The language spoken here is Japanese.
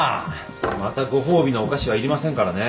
またご褒美のお菓子は要りませんからね。